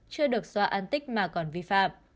chưa được xóa an tích mà còn vi phạm